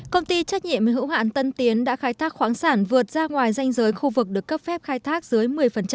công ty trách nhiệm hữu hạn tân tiến đã khai thác khoáng sản vượt ra ngoài danh giới khu vực được cấp phép khai thác dưới một mươi